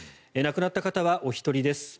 亡くなった方はお一人です。